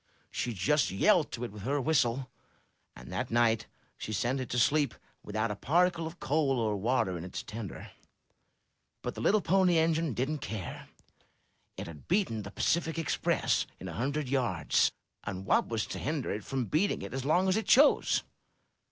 She just yelled to it with her whistle; and that night she sent it to sleep without a particle of coal or water in its tender. But the little Pony Engine didn't care. It had beaten the Pacific Express in a hundred yards, and what was to hinder it from beating it as long as it chose?